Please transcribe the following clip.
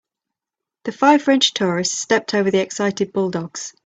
The five French tourists stepped over the excited bulldogs.